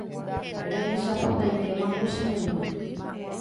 Rehechapotaitémako che memby